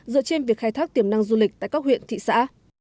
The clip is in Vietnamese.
dựa trên việc khai thác tiềm năng du lịch tại các huyện thị xã